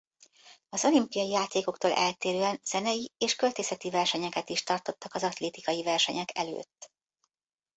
Az olümpiai játékoktól eltérően zenei és költészeti versenyeket is tartottak az atlétikai versenyek előtt.